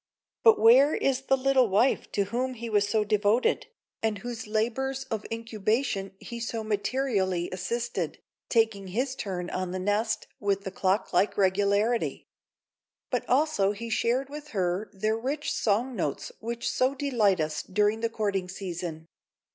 But where is the little wife to whom he was so devoted, and whose labors of incubation he so materially assisted, taking his "turn" on the nest with clock like regularity? But also he shared with her their rich song notes which so delight us during the courting season.